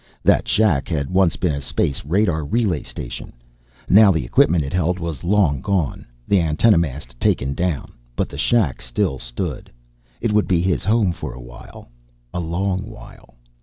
That shack had once been a space radar relay station. Now the equipment it had held was long gone, the antenna mast taken down. But the shack still stood. It would be his home for a while. A long while.